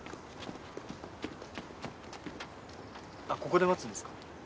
ここで待つんですか？